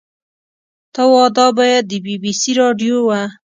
ته وا دا به د بي بي سي راډيو وه.